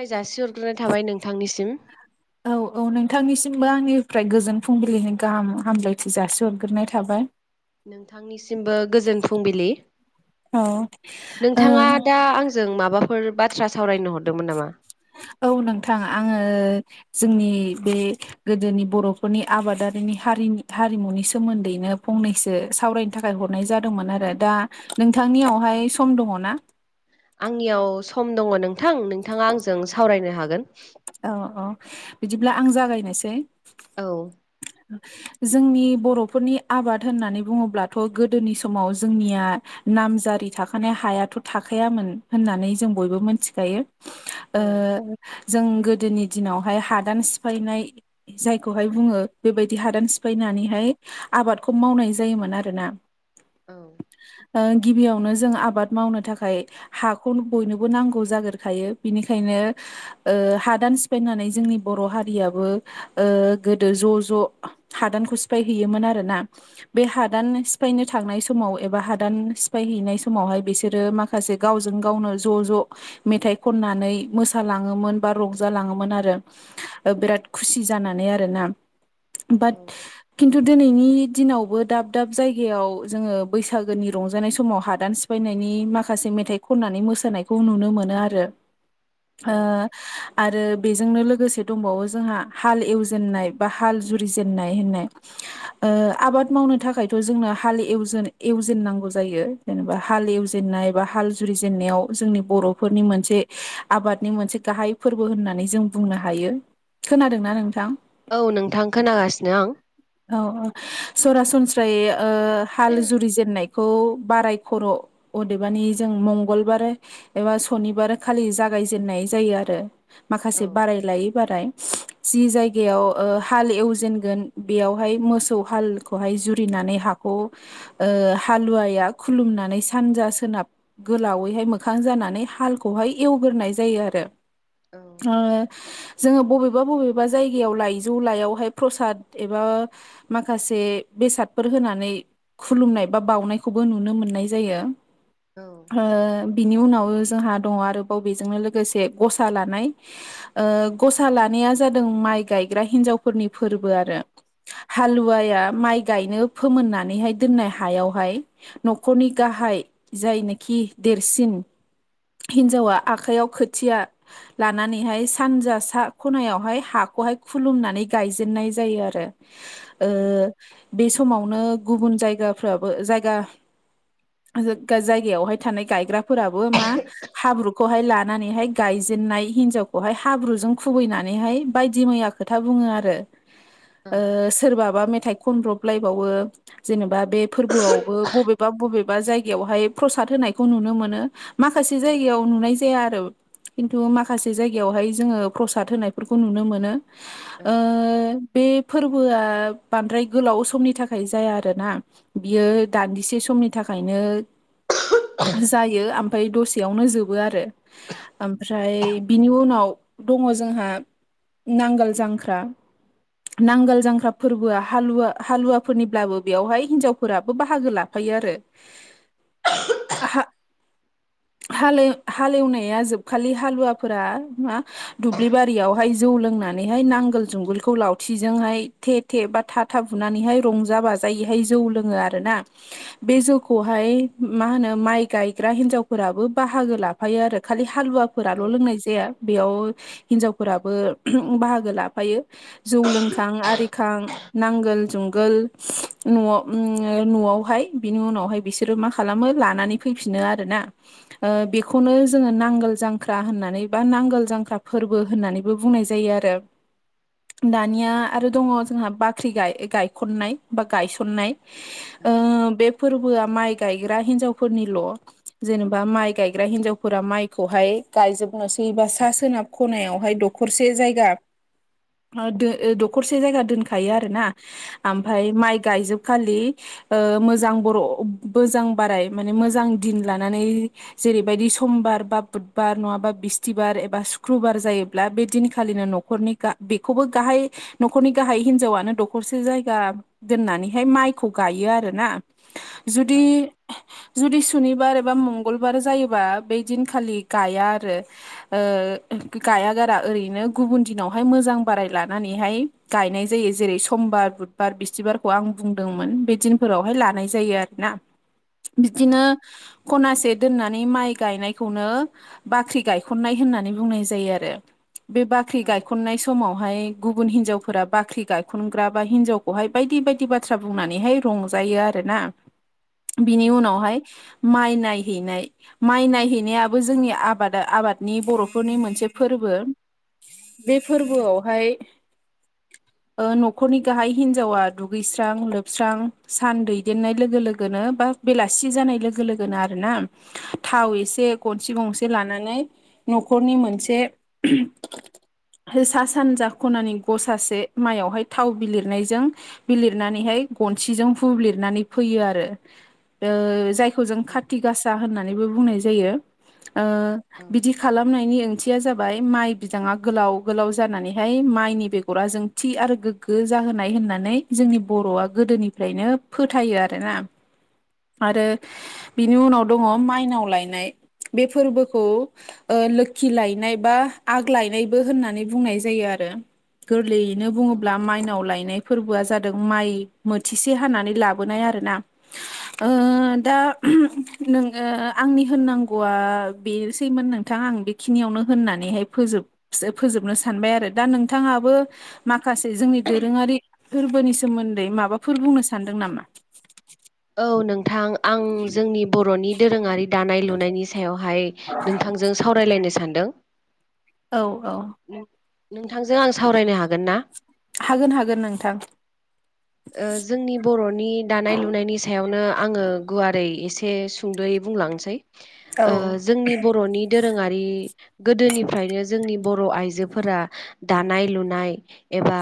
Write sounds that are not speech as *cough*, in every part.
बे जासिहरग्रोनाय थाबाय नोंथांनिसिम औ औ नोंथांनिसिमबो आंनिफ्राय गोजोन फुंबिलिनि गाहाम हामलायथि जासिहरग्रोनाय थाबाय। नोंथांनिसिमबो गोजोन फुंबिलि औ ओ नोंथाङा दा आंजों माबाफोर बाथ्रा सावरायनो हरदोंमोन नामा? *inaudible* औ नोंथां आङो जोंनि बे गोदोनि बर'फोरनि आबादारिनि हारि हारिमुनि सोमोन्दैनो फंनैसो सावरायनो थाखाय हरनाय जादोंमोन आरो दा नोंथांनि यावहाय सम दङ ना? आंनियाव सम दङ नोंथां नोंथाङा आंजों सावरायनो हागोन। औ औ बिदिब्ला आं जागायनोसै औ जोंनि बर'फोरनि आबाद होननानै बुङोब्लाथ' गोदोनि समाव जोंनिया नामजारि थाखानाय हायाथ' थाखायामोन होननानै जों बयबो मोनथिखायो। ओ जों गोदोनि दिनावहाय हादान सिफायनाय जायखौहाय बुङो बेबायदि हादान सिफायनानैहाय आबादखौ मावनाय जायोमोन आरोना। औ ओ गिबियावनो जों आबाद मावनो थाखाय हाखौ बयनोबो नांगौ जाग्रोखायो। बिनिखायनो हादान सिफायनानै जोंनि बर' हारियाबो गोदो ज' ज ज' हादानखौ सिफायहैयोन आरोना बे हादान सिफायनो थांनाय समाव एबा हादान सिफायहैनाय समावहाय बिसोरो माखासे गावजों गावनो ज' ज' मेथाइ खननानै मोसालाङोमोन बा रंजालाङोमोन आरो बिराद खुसि जानानै आरोना औ बाद कि खिन्थु दिनैनि दिनावबो दाब दाब जायगायाव जोङो बैसागोनि रंजानाय समाव हादान सिफायनाय नि माखासे मेथाइ खननानै मोसानायखौ नुनो मोनो आरो। औ आरो बेजोंनो लोगोसे दंबावो जोंहा हाल एवजेननाय बा हाल जुरि जेननाय होननाय आबाद मावनो थाखायथ' जों हाल नांगौ जायो जेनेबा हाल एवजेननाय बा हाल जुरिजेनन्नायाव जोंनि बर'फोरनि मोनसे आबादनि मोनसे गाहाय फोरबो होननानै जों बुंनो हायो खोनादोंना नोंथां औ नोंथां खोनागासिनो आं औ-औ सरासनस्रायै हाल जुरि जेननाय खौ बाराय खर' अदेबानि जों मंगलबार एबा सनिबार खालि जाग यजेनाय जायो आरो औ माखासे बाराय लायै बाराय जि जायगायाव ओ हाल एवजेनगोन बेयावहाय मोसौ हालखौहाय जुरिनानै हाखौ हालुवाया खुलुमनानै सानजा सोनाब गोलावैहाय मोखां जानानै हालखौहाय एवग्रो नाय जायो आरो औ ओ जोङो बबेबा बबेबा जायगायाव ला इजौ लायावहाय प्रसाद एबा माखासे बेसादफोर होनानै खुलुमनाय बा बनायखौबो नुनो मोननाय जायो औ बिनि उनाव जोंहा दङ आरोबाव बेजोंनो लोगोसे गसा लानाय गसा लानाया जादों माइ गायग्रा हिनजावफोरनि फोरबो आरो हालुवाया माइ गायनो फोमोननानैहाय दोननाय हायावहाय न'खरनि गाहाय जायनोखि देरसिन हिन्जावा आखायाव खोथिया लानानैहाय सानजा सा खनायावहाय हाखौहाय खुलुमनानै गायजेननाय जायो आरो ओ बे समावनो गुबुन जायगाफ्राबो जायगा जायगायावहाय थानाय गायग्राफोराबो मा हाब्रुखौहाय लानानैहाय गायजे नाय हिनजावखौहाय हाब्रुजों खुबैनानैहाय बायदि मैया खोथा बुङो आरो औ ओ सोरबाबा मेथाइ खनब्रबलायबावो जेनेबा बे फोरबोआवबो बबेबा बबेबा जायगायावहाय प्रसाद होन नायखौ नुनो मोनो माखासे जायगायाव नुनाय जाया आरो खिन्थु माखासे जायगायावहाय जोङो प्रसाद होनायफोरखौ नुनो मोनो ओ बे फोरबोआ बांद्राय गोलाव समनि थाखाय जाया आरोना बियो दान्दिसे सम समनि थाखायनो जायो ओमफ्राय दसेयावनो जोबो आरो ओमफ्राय बिनि उनाव दङ जोंहा नांगोल जांख्रा नांगोल जांख्रा फोरबोआ हालुवा हालुवाफोरनिब्लाबो बेवहाय हिनजावफोराबो बाहागो लाफायो आरो हाल हालेवनाया जोबखालि हालुवाफोरा मा दुब्लि बारियावहाय जौ लोंनाय नांगोल जुंगोलखौ लावथिजोंहाय थे थे बा था था बुनानैहाय रंजा बाजायै जौ लोङो आरोना बे जौखौहाइ मा होनो माइ गायग्रा हिनजावफोराबो बा बाहागो लाफायो आरो खालि हालुवाफोराल' लोंनाय जाया बेयाव हिनजावफोराबो बाहागो लाफायो जौ लोंखां आरिखां नांगोल जुंगोल न'आव न'आवहाय बिनि उनावहाय बिसोरो मा खालामो लानानै फैफिनो आरोना बेखौनो जोङो नांगोल जांख्रा होननानै बा नांगोल जांख्रा फोरबो होननानैबो बुंनाय जायो आरो दानिया आरो दङ जोंहा बाख्रि गायखननाय बा गायसननाय आ बे फोरबोआ माइ गायग्रा हिनजावफोरनिल' जेनेबा माइ गायग्रा हिन्जावफोरा माइखौहाय गायजोबनोसैबा सा सोनाब खनायावहाय दखरसे जायगा दखरसे जायगा दोनखायो आरो ना ओमफ्राय माइ गायजोब खालि मोजां बर' मोजां बाराय माने मोजां दिन लानानै जेरैबायदि समबार बा बुधबार नङाबा बिस्थिबार एबा सुक्रुबार जायो बे दिनखालिनो न'खरनि बेखौबो गाहाय न'खरनि गाहाय हिनजावनो दखरसे जायगा दोननानैहाय माइखौ गायो आरोना जुदि जुदि सुनिबार एबा मंगलबार जायोबा बै दिनखालि गाया आरो ओ गाया ओरैनो गुबुन दिनावहाय मोजां बाराय लानानैहाय गायनाय जायो जेरै समबार बुधबार बिसथिबारखौ आं बुंदोंमोन बे दिनफोरावहाय लानाय जायो आरोना । बिदिनो खनासे दोननानै माइ गायनायखौनो बाख्रि गायखननाय होननानै बुंनाय जायो आरो । बे बाख्रि गायखननाय समाव हाय गुबुन हिनजावफोरा बाख्रि गायखनग्रा बा हिनजावखौहाय बायदि बायदि बाथ्रा बुंनानैहाय रंजायो । आरोना बिनि उनावहाय माइ नायहैनाय माइ नायहैनायाबो जोंनि आबादा आबादनि बर'फोरनि मोनसे फोरबो । बे फोरबोआवहाय न'खरनि गाहाय हिन्जावा दुगैस्रां लोबस्रां सान दैदेननाय लोगो लोगोनो बा बेलासे जानाय लोगो लोनोनो आरोना थाव इसे गनसि गंसे लानानै न'खरनि मोनसे सा सानजा खनानि गसासे माइयावहाय थाव बिलिरनायजों बिलिरनानैहाय गनसिजों बुब्लिबनानै फैयो आरो जाय जायखौ जों काति गासा होन्नानैबो बुंनाय जायो ओ औ बिदि खालामनायनि ओं माइ बिदाङा गोलाव गोलाव जानानैहाय माइनि बेगरा जोंथि आरो गोग्गो जाहोनाय होननानै जोंनि बर'आ गोदोनिफ्रायनो फोथायो आरोना । आरो बिनि उनाव दङ माइनाव लायनाय । बे फोरबोखौ ओ लोखि लायनाय बा आग लायनायबो होननानै बुंनाय जायो आरो । गोरलैयैनो औ बुङोब्ला माइनाव लायनाय फोरबोआ जादों माइ मोथिसे हानानै लाबोनाय आरोना दा नों आंनि होननांगौआ बेसैमोन नोंथां आं बेखिनियावनो होननानैहाय फोजोब फोजोबनो सानबाय आरो दा नोंथाङाबो मा माखासे जोंनि दोरोङारि फोरबोनि सोमोन्दै माबाफोर बुंनो सानदों नामा? औ नोंथां आं जोंनि बर'नि दोरोङारि दानाय लुनायनि सायावहाय नोंथांजों सावरायलायनो सान्दों । औ औ नोंथांजों आं सावरायनो हागोन ना? हागोन हागोन नोंथां ओ जोंनि बर'नि दानाय लुनायनि सायावनो आङो गुवारै एसे सुंद'यै बुंलांनोसै । ओ औ जोंनि बर'नि दो- रोङारि गोदोनिफ्रायनो जोंनि बर' आइजोफोरा दानाय लुनाय ए- बा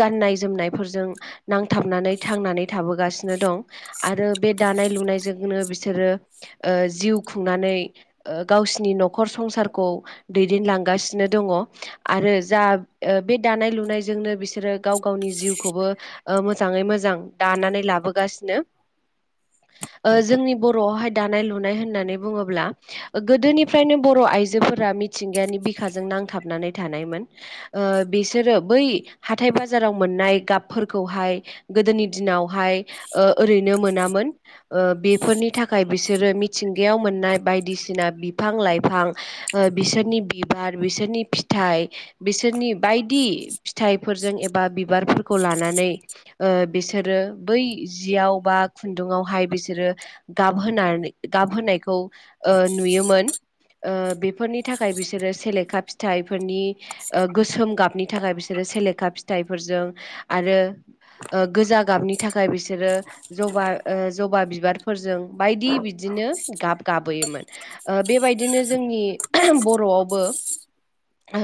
गाननाय जोमनायफोरजों नांथाबनानै थांनानै थाबोगासिनो दं । आरो बे दानाय लुनायजोंनो बिसोरो ओ जिउ खुंनानै ओ गावसिनि न'खर संसारखौ दैदेनलांगासिनो दङ आरो जा ओ बे दानाय लुनाय जोंनो बिसोरो गाव गावनि जिउखौबो ओ मोजाङै मोजां दानानै लाबोगासिनो *inaudible* ओ जोंनि बर'आवहाय दानाय लुनाय होननानै बुङोब्ला ओ गोदोनिफ्रायनो बर' आइजो फोरा मिथिंगानि बिखाजों नांथाबनानै थानायमोन ओ बिसोरो बै हाथाइ बा- जाराव मोननाय गाबफोरखौहाय गोदोनि दिनावहाय ओ ओरैनो मोनामोन ओ बेफोरनि थाखाय बिसोरो मिथिंगायाव मोननाय बायदिसिना बि- बिफां लाइफां ओ बिसोरनि बिबार बिसोरनि फिथाइ बिसोरनि बायदि फिथाइफोरजों एबा बिबारफोरखौ लानानै ओ बिसोरो बै जियाव बा खुन्दुङावहाय बिसोरो गाबहोनानै गाबहोनायखौ ओ नुयो- मोन ओ बेफोरनि थाखाय बिसोरो सेलेखा फिथाइफोरनि ओ गोसोम गाबनि थाखाय बिसोरो सेलेखा फिथाइफोरजों आरो ओ गोजा गाबनि थाखाय बिसोर बिसोरो जबा ओ जबा बिबारफोरजों बायदि बिदिनो गाब गाबोयोमोन ओ बेबायदिनो जोंनि बर'आवबो ओ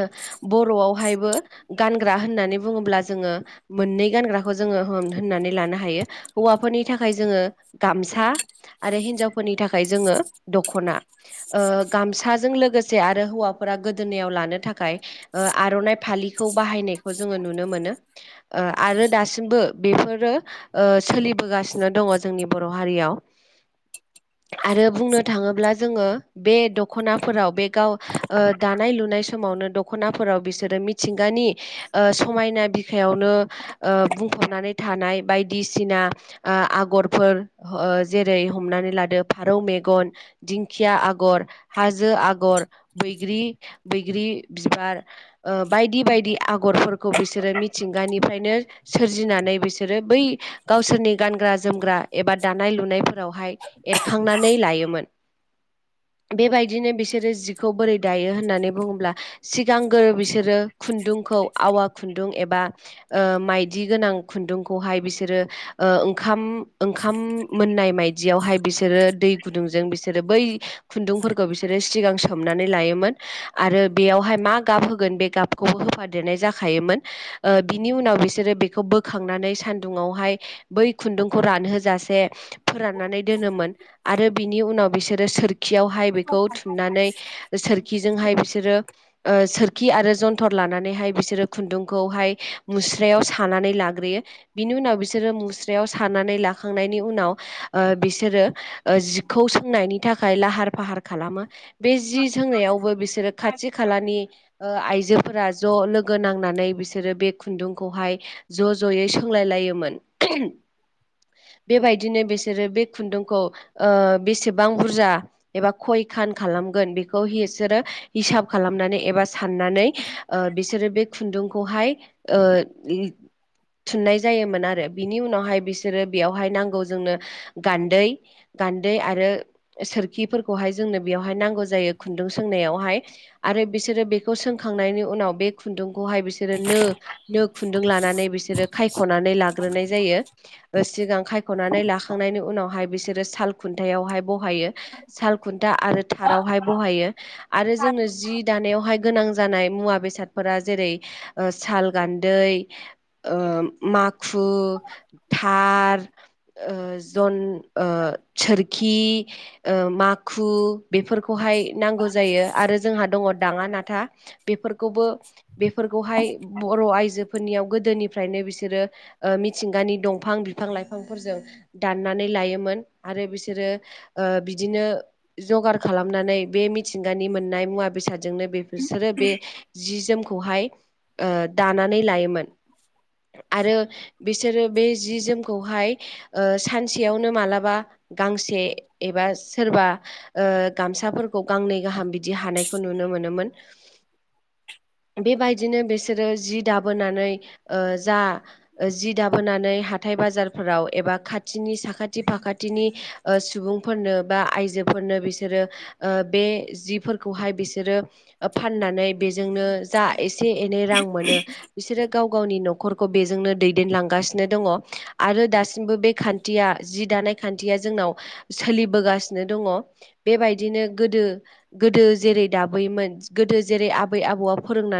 बर'आवहायबो गानग्रा होननानै बुङोब्ला जोङो मोननै गानग्रा बेखौ जोङो होन होननानै लानो हायो। हौवाफोरनि थाखाय जोङो गामसा आरो हिनजावफोरनि थाखाय जोङो दख'ना ओ गामसाजों लोगोसे आरो हौवाफोरा गोदोनायाव लानो थाखाय ओ आर'नाइ फा- फालिखौ बाहायनायखौ जोङो नुनो मोन ओ आरो दासिमबो बेफोरो ओ सोलिबोगासिनो दङ जोंनि बर' हारियाव *inaudible* आरो बुंनो थाङोब्ला जोङो बे दख'नाफोराव बे गाव ओ दानाय लुनाय समाव दख'नाफोराव बिसोरो मिथिंगानि ओ समायना बिखायावनो ओ बुंफब- नानै थानाय बाय- दिसिना आ आगरफोर ओ जेरै हमनानै लादो फारौ मेगन दिंखिया आगर हाजो आगर बैग्रि बैग्रि बिबार ओ ओ बायदि बायदि आगरफोरखौ बिसोरो मिथिंगानिफ्रायनो सोरजिनानै बिसोरो बै गावसोरनि गानग्रा जोमग्रा एबा दानाय लुनायफोरावहाय एरखांनानै लायोमोन। *inaudible* बेबायदिनो बिसोरो जिखौ बोरै दायो होननानै बुङोब्ला सिगांगोरो बिसोरो खुन्दुं खौ आवा खुन्दुं एबा ओ माइदि गोनां खुुंन्दुंखौहाय बिसो- सोरो ओ ओंखाम ओंखाम मोननाय मायदियावहाय बिसोरो दै गुदुंजों बिसोरो बै खुन्दुंफोरखौ बिसोरो सिगां सोमनानै लायोमोन आरो बेयावहाय मा गाब होगोन? बे गाबखौबो होफादेरनाय जाखायोम ओ बिनि उनाव बिसोरो बेखौ बोखांनानै सान- दुङावहाय बै खुन्दुंखौ रानहोजासे फोराननानै दोनोन आरो बिनि उनाव बिसोरो सोरखियावहाय बेखौ थुननानै सोरखिजोंहाय बिसोरो ओ सोरखि खि आरो जन्थर लानानैहाय बिसोरो खुन्दुंखौहाय मुस्रायाव सानानै लाग्रोयो। बिनि उनाव बिसोरो मुस्रायाव सानानै लाखांनायनि उनाव ओ बिसोरो ओ जिखौ सोंनायनि थाखाय लाहार फाहार खालामो बे जि सोंनायावबो बिसोरो खाथि खालानि ओ आइजोफोरा ज' लोगो नांनानै बिसोरो बे खुनदुंखौहाय ज' ज'यै सोंलाय लायोमोन। बेबायदिनो बिसोरो बे खुनदुंखौ ओ बेसेबां बुरजा एबा खयखान खान खालामगोन बेखौ बिसोरो हिसाब खालामनानै एबा साननानै ओ बिसोरो बे खुनदुंखौहाय ओ *inaudible* थुननाय जायोमोन आरो बिनि उनावहाय बिसोरो बेयावहाय नांगौ जोंनो गानदै गान दै आरो सोरखिफोरखौहाय जोंनो बेयावहाय नौ जायो खुनदुं सोंनायावहाय आरो बि सोरो बेखौ सोंखांनायनि उनाव बे खुनदुंखौहाय बिसोरो नो नो खुनदुं लानानै बिसोरो खायख'नानै लाग्रोनाय जायो सिगां खायख'नानै लाखांनायनि उनावहाय बिसोरो साल खुन थायावहाय बहायो साल खुनथा आरो थारावहाय बायो आरो जोंनो जि दानायावहाय गोनां जानाय मुवा बेसादफोरा जेरै साल गानदै ओ माखु थार ओ जन सोर खि ओ माखु बेफोरखौहाय नांगौ जायो आरो जोंहा दङ। दाङा ना बेफोरखौबो बेफोरखौहाय बर' आइजोफोरनियाव गोदोनिफ्रायनो बिसोर सोरो मिथिंगानि दंफां बिफां लाइफांफोरजों दाननानै लायोमोन आरो बिसोरो बिदिनो जगार खालामनानै बे मिथिंगानि मोननाय मुवा बेसादजोंनो बेसोरो बे जि जोमखौहाय ओ दानानै लायोमोन। आरो बिसोरो बे जि जोमखौहाय ओ सानसेयावनो मालाबा गां से एबा सोरबा गामसाफोरखौ गांनै गाहाम बिदि हानायखौ नुनो मोनो। मोन *inaudible* बेबायदिनो बिसोरो जि दाबोनानै ओ जा जि दाबोनानै हाथाय बाजारफोराव एबा खाथिनि साखाथि फाखाथिनि ओ सुबुंफोरनो बा आइजोफोरनो बिसोरो ओ बे जिफोरखौहाय बिसोरो फाननानै बेजोंनो जा एसे एनै रां मोनो बिसोरो गाव गावनि न'ख न'खरखौ बेजोंनो दैदेनलांगासिनो दङ आरो दासिमबो बे खानथिया जि दानाय खानथिया जोंनाव सोलिबोगासिनो दङ बेबायदिनो गोदो गोदो जेरै दाबो गोदो जेरै आबै आबौया फोरोंनानै